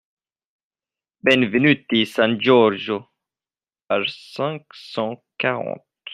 Benvenuti San Giorgio, page cinq cent quarante.